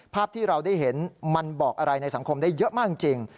ภาพที่เราได้เห็นมันบอกอะไรในสังคมได้เยอะมากจริง